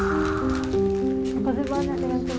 terima kasih banyak